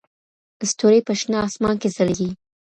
ستوري په شنه اسمان کې ځلېږي.